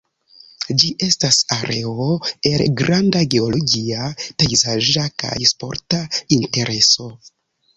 Ĝi estas areo el granda geologia, pejzaĝa kaj sporta intereso.